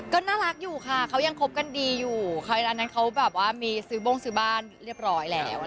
ก็น่ารักอยู่ค่ะเขายังคบกันดีอยู่ร้านนั้นเขาแบบว่ามีซื้อโบ้งซื้อบ้านเรียบร้อยแล้ว